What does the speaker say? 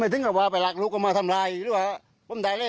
ไม่ใช่ผมไหนไปแล้ววิ่งพระรันปุ๊กตัวเลย